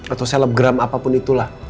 atau selebgram apapun itulah